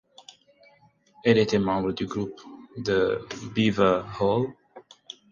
Elle était membre du Groupe de Beaver Hall.